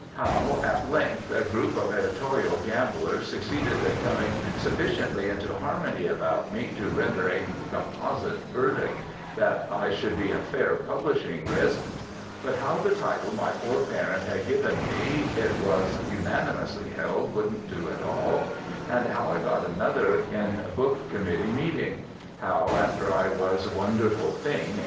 How, at length, a group of editorial gamblers succeeded in coming sufficiently into harmony about me to render a composite verdict that I would be a fair publishing risk; but how the title my poor parent had given me it was unanimously held wouldn't do at all; and how I got another in book committee meeting; how, after I was (wonderful thing!)